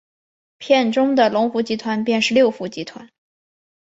片中的龙福集团便是六福集团。